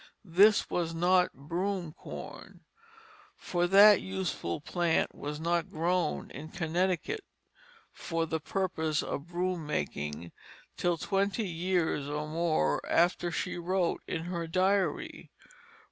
This was not broom corn, for that useful plant was not grown in Connecticut for the purpose of broom making till twenty years or more after she wrote her diary.